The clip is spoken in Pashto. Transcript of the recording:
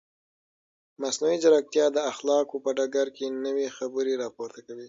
مصنوعي ځیرکتیا د اخلاقو په ډګر کې نوې خبرې راپورته کوي.